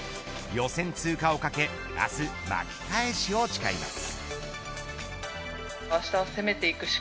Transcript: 予選通過を懸け明日巻き返しを誓います。